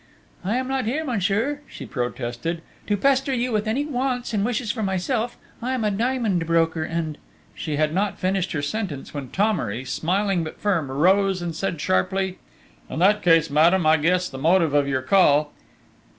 "I am not here, monsieur," she protested, "to pester you with any wants and wishes for myself. I am a diamond broker and ..." She had not finished her sentence when Thomery, smiling but firm, rose, and said sharply: "In that case, madame, I can guess the motive of your call...."